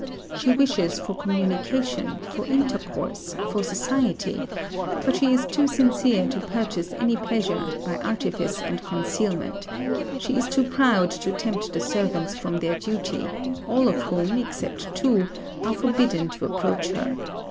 She wishes for communication, for intercourse, for society; but she is too sincere to purchase any pleasure, by artifice and concealment; she is too proud to tempt the servants from their duty, all of whom, except two, are forbidden to approach her.